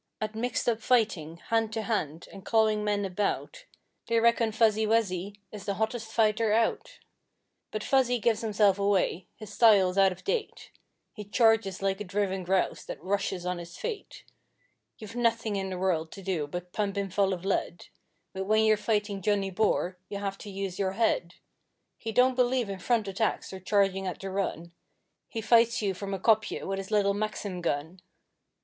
At mixed up fighting, hand to hand, and clawing men about They reckon Fuzzy wuzzy is the hottest fighter out. But Fuzzy gives himself away his style is out of date, He charges like a driven grouse that rushes on its fate; You've nothing in the world to do but pump him full of lead: But when you're fighting Johnny Boer you have to use your head; He don't believe in front attacks or charging at the run, He fights you from a kopje with his little Maxim gun.